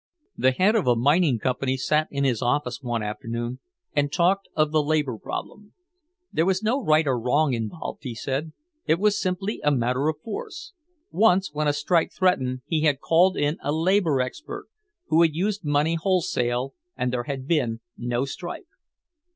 The head of a mining company sat in his office one afternoon and talked of the labor problem. There was no right or wrong involved, he said, it was simply a matter of force. Once when a strike threatened he had called in a "labor expert" who had used money wholesale and there had been no strike.